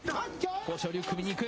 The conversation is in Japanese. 豊昇龍、組みにいく。